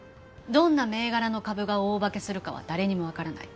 どんな銘柄の株が大化けするかは誰にも分からない